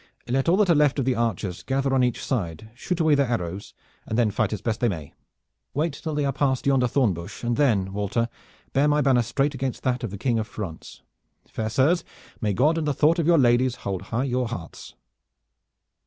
Let all that are left of the archers gather on each side, shoot away their arrows, and then fight as best they may. Wait till they are past yonder thorn bush and then, Walter, bear my banner straight against that of the King of France. Fair sirs, may God and the thought of your ladies hold high your hearts!"